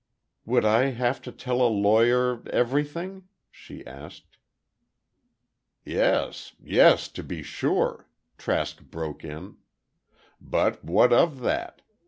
"Would I have to tell a lawyer—everything?" she asked. "Yes, yes—to be sure," Trask broke in. "But what of that?